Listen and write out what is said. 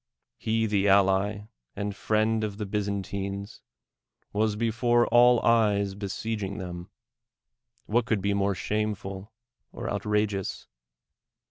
He, the ally and friend of the Byzantines, was before all eyes besieging them — what could be more shameful or outra geous?